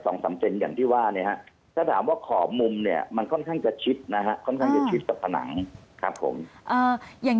ก่อนแมงขอมุมมันค่อนข้างจะชิบตัวสนัง